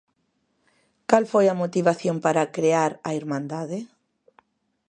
Cal foi a motivación para crear a Irmandade?